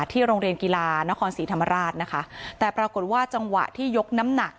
ที่โรงเรียนกีฬานครศรีธรรมราชนะคะแต่ปรากฏว่าจังหวะที่ยกน้ำหนัก